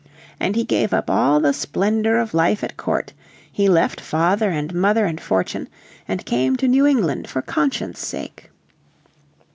And he gave up all the splendour of life at court, he left father and mother and fortune, and came to New England for conscience' sake.